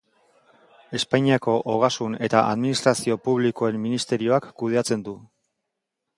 Espainiako Ogasun eta Administrazio Publikoen Ministerioak kudeatzen du.